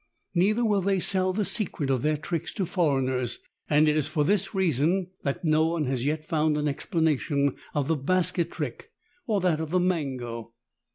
Neither will they sell the secret of their tricks to foreigners, and it is for this reason that no one has yet found an explanation of the basket trick or of that of the mango.